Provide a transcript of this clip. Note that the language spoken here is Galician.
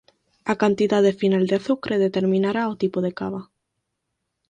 A cantidade final de azucre determinará o tipo de cava.